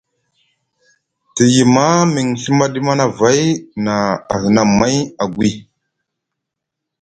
Te yima miŋ Ɵimaɗi Manavay na a hina amay agwi.